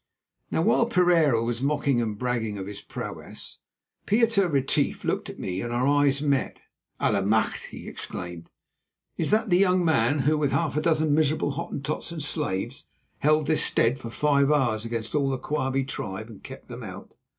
Now, while Pereira was mocking and bragging of his prowess, Pieter Retief looked at me, and our eyes met. "Allemachte!" he exclaimed, "is that the young man who, with half a dozen miserable Hottentots and slaves, held this stead for five hours against all the Quabie tribe and kept them out?"